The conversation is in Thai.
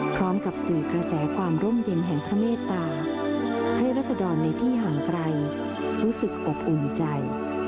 พร้อมกับสื่อกระแสความร่มเย็นแห่งพระเมตตาให้รัศดรในที่ห่างไกลรู้สึกอบอุ่นใจ